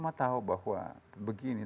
orang semua tahu bahwa begini